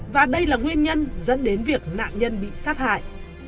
và đây là nguyên nhân dẫn đến việc nạn nhân bị sát hại